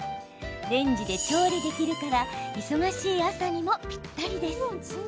レンジで調理できるから忙しい朝にも、ぴったりです。